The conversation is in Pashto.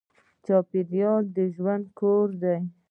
چاپېریال د ژوند کور دی.